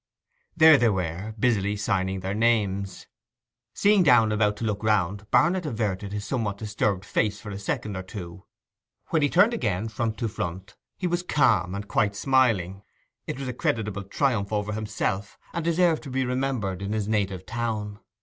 There they were, busily signing their names. Seeing Downe about to look round, Barnet averted his somewhat disturbed face for a second or two; when he turned again front to front he was calm and quite smiling; it was a creditable triumph over himself, and deserved to be remembered in his native town.